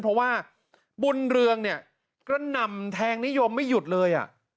เพราะว่าบุญเรืองเนี่ยกระหน่ำแทงนิยมไม่หยุดเลย